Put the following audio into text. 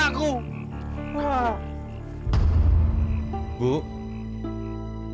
kenapa dia menolakku